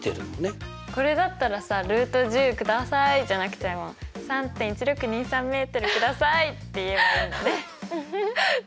これだったらさくださいじゃなくても３．１６２３ｍくださいって言えばいいのね。